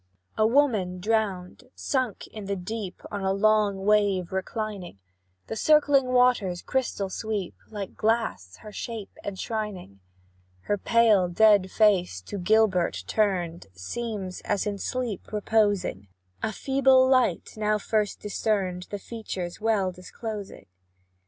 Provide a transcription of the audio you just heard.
A woman drowned sunk in the deep, On a long wave reclining; The circling waters' crystal sweep, Like glass, her shape enshrining. Her pale dead face, to Gilbert turned, Seems as in sleep reposing; A feeble light, now first discerned, The features well disclosing.